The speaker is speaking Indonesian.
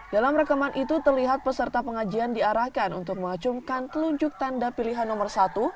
dalam rekaman itu terlihat peserta pengajian diarahkan untuk mengacumkan telunjuk tanda pilihan nomor satu